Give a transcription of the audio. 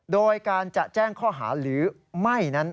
โดยการจะแจ้งข้อหาหรือไม่นั้น